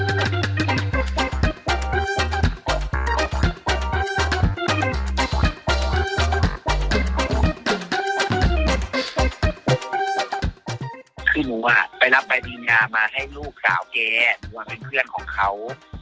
อ่าคือหนูอ่ะไปรับไปดีนี้อ่ะมาให้ลูกสาวแกว่าเป็นเพื่อนของเขา